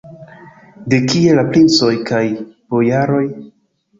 De kie la princoj kaj bojaroj?